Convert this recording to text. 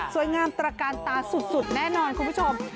สวยงามตระการตาสุดแน่นอนคุณผู้ชม